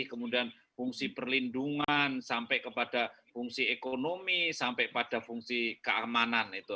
kemudian fungsi perlindungan sampai kepada fungsi ekonomi sampai pada fungsi keamanan itu